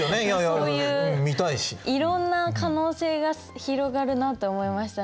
そういういろんな可能性が広がるなと思いましたね。